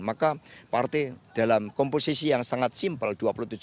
maka partai dalam komposisi yang sangat simpel